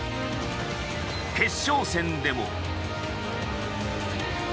決勝戦でも。